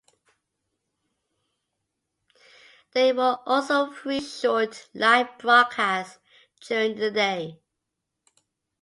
There were also three short live broadcasts during the day.